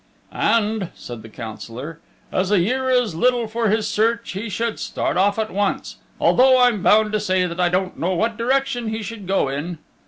"And," said the Councillor, "as a year is little for his search, he should start off at once, although I'm bound to say, that I don't know what direction he should go in."